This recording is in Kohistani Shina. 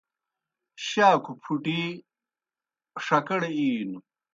شاکھوْ پُھٹی ݜکڑ اِینوْ